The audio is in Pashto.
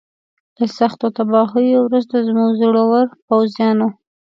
له سختو تباهیو وروسته زموږ زړورو پوځیانو.